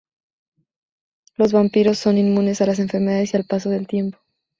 Los vampiros son inmunes a las enfermedades y al paso del tiempo.